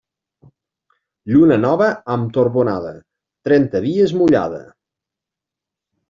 Lluna nova amb torbonada, trenta dies mullada.